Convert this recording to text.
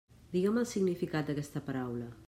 Digue'm el significat d'aquesta paraula.